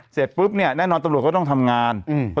เสร็จปุ๊บเนี่ยแน่นอนตำรวจก็ต้องทำงาน